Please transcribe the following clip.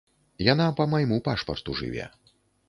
Яна па майму пашпарту жыве.